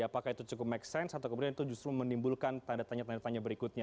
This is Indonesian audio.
apakah itu cukup make sense atau kemudian itu justru menimbulkan tanda tanya tanda tanya berikutnya